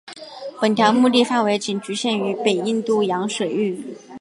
本条目的范围仅局限于北印度洋水域。